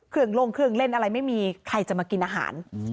ลงเครื่องเล่นอะไรไม่มีใครจะมากินอาหาร